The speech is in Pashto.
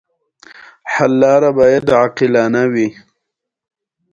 د افغانستان د اقتصادي پرمختګ لپاره پکار ده چې سور څراغ ومنو.